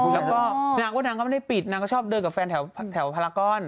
แล้วก็นางว่านางก็ไม่ได้ปิดนางก็ชอบเดินกับแฟนแถวพลากร